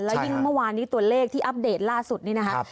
แล้วยิ่งเมื่อวานนี้ตัวเลขที่อัปเดตล่าสุดนี้นะครับ